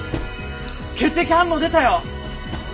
血液反応出たよ。